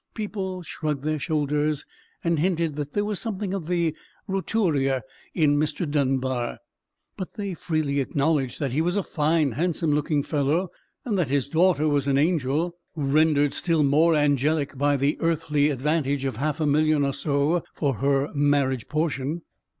People shrugged their shoulders, and hinted that there was something of the "roturier" in Mr. Dunbar; but they freely acknowledged that he was a fine handsome looking fellow, and that his daughter was an angel, rendered still more angelic by the earthly advantage of half a million or so for her marriage portion.